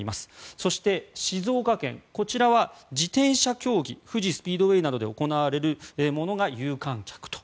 そして、静岡県こちらは自転車競技富士スピードウェイなどで行われるものが有観客と。